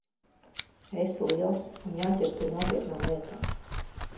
Esi liels, un jāķeras pie nopietnām lietām.